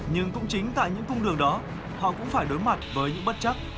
nhưng cũng chính tại những cung đường đó họ cũng phải đối mặt với những bất chắc